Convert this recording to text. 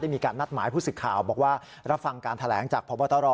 มีการนัดหมายผู้สึกข่าวบอกว่ารับฟังการแถลงจากพบตร